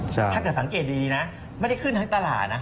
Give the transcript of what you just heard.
ถ้าเกิดสังเกตดีนะไม่ได้ขึ้นทั้งตลาดนะ